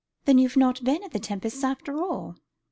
"Then you've not been at the Tempests' after all?"